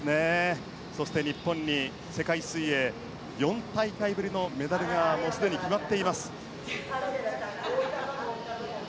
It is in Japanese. そして、日本に世界水泳４大会ぶりのメダルがもうすでに決まっています。